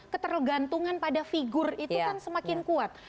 ketergantungan pada figur itu kan semakin kuat